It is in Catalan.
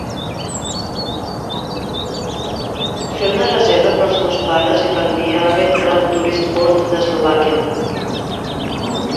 Fer una reserva per als meus pares i per a mi a la Red Crown Tourist Court d'Eslovàquia